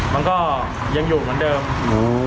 มันก็ยังอยู่เหมือนเดิม